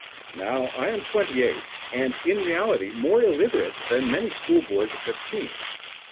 Now I am twenty eight and am in reality more illiterate than many schoolboys of fifteen.